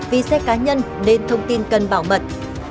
vì xe cá nhân nên thông tin cần bảo mật